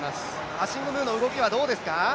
アシング・ムーの動きはどうですか？